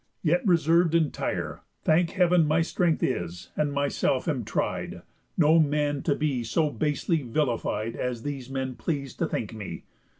Yet reserv'd entire, Thank Heav'n, my strength is, and myself am tried, No man to be so basely vilified As these men pleas'd to think me.